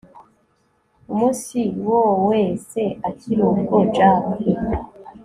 umunsi wowese akiri ubwo jack